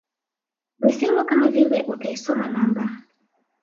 Misemo kama vile utaisoma namba